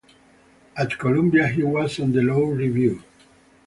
At Columbia he was on the Law Review.